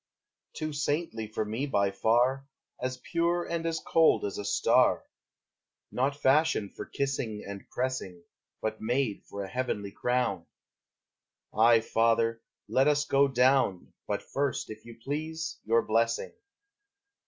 Too saintly for me by far, As pure and as cold as a star, Not fashioned for kissing and pressing, But made for a heavenly crown. Ay, father, let us go down, But first, if you please, your blessing.